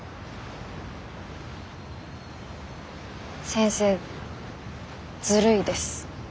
先生ずるいです